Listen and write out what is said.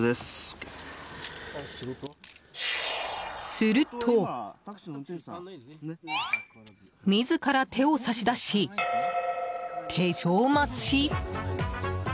すると自ら手を差し出し、手錠待ち？